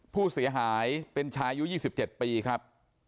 ผู้เสียหายเป็นชายอายุ๒๗ปีครับ